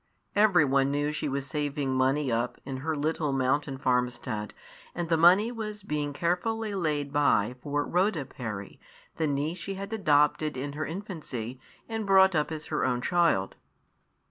Every one knew she was saving money up in her little mountain farmstead, and the money was being carefully laid by for Rhoda Parry, the niece she had adopted in her infancy and brought up as her own child.